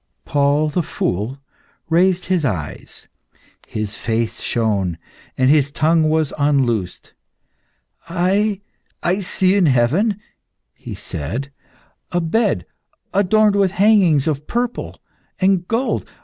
Paul the Fool raised his eyes; his face shone, and his tongue was unloosed. "I see in heaven," he said, "a bed adorned with hangings of purple and gold.